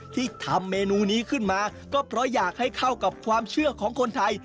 ที่ทำเมนูนี้ขึ้นมาก็เพราะอยากให้เข้ากับความเชื่อของคนไทย